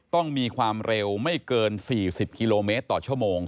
ต้องมีความเร็วไม่เกิน๔๐กิโลเมตรต่อชั่วโมง